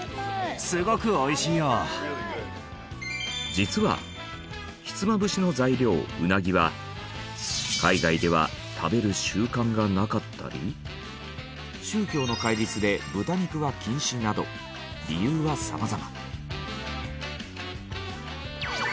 実はひつまぶしの材料うなぎは海外では食べる習慣がなかったり宗教の戒律で豚肉は禁止など理由は様々。